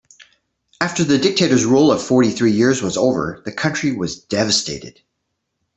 After the dictator's rule of fourty three years was over, the country was devastated.